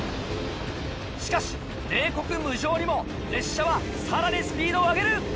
しかし冷酷無情にも列車はさらにスピードを上げる！